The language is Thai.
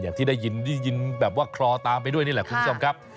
อย่างที่ได้ยินได้ยินแบบว่าคลอตามไปด้วยนี่แหละคุณผู้ชมครับ